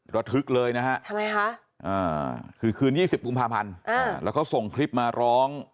ระทึกเลยนะฮะทำไมคะคือคืน๒๐กุมภาพันธ์แล้วเขาส่งคลิปมาร้อง